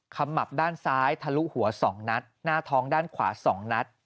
ขมับด้านซ้ายทะลุหัว๒นัดหน้าท้องด้านขวา๒นัด